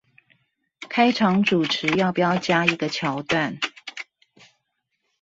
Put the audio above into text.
開場主持要不要加一個橋段